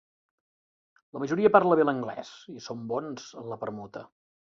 La majoria parla bé l'anglès i són bons en la permuta.